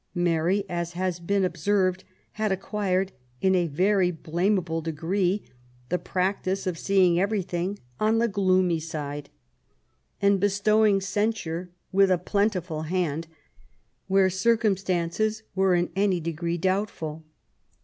Mary, as has already been observed, had acquired, in a very blameable degree, the practice of seeing everything on the gloomy side, and bestowing VISIT TO PAEI8. 105 censnre with a plentiful hand, where circnmstances were in any degree doubtful.